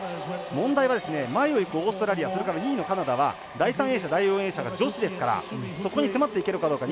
問題は、前を行くオーストラリアそれから２位のカナダは第３泳者、第４泳者が女子ですからそこに迫っていけるかどうか。